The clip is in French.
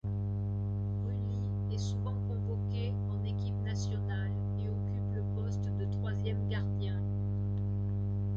Rulli est souvent convoqués en équipe nationale et occupe le poste de troisième gardien.